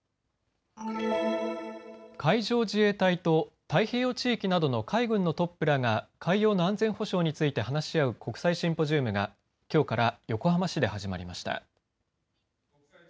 海上自衛隊と太平洋地域などの海軍のトップらが海洋の安全保障について話し合う国際シンポジウムがきょうから横浜市で始まりました。